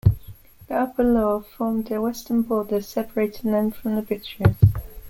The upper Loire formed their western border, separating them from the Bituriges.